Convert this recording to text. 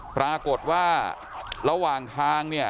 ปรากฏว่าระหว่างทาง